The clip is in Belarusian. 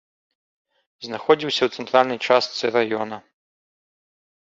Знаходзіўся ў цэнтральнай частцы раёна.